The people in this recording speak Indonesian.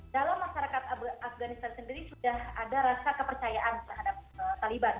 dalam masyarakat afganistan sendiri sudah ada rasa kepercayaan terhadap taliban